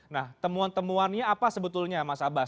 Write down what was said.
nah temuan temuannya apa sebetulnya mas abbas